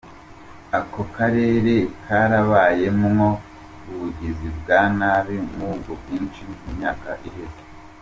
Ako karere karabayemwo ubugizi bwa nabi nk'ubwo bwinshi mu myaka iheze.